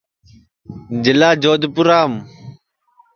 جِلا جودپُورام